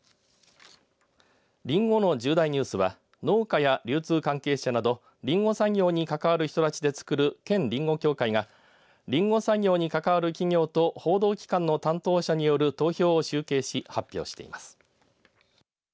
りんごの１０大ニュースは農家や流通関係者などりんご産業に関わる人たちでつくる県りんご協会がりんご産業に関わる企業と報道機関の担当者による投票を集計し、発表しています。